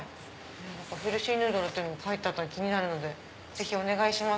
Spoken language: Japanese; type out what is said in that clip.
「ヘルシーヌードル」って書いてあったの気になるのでぜひお願いします。